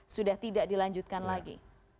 sudah tidak dilanjutkan lagi